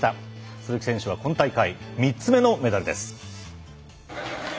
鈴木選手は、この大会３つ目のメダルです。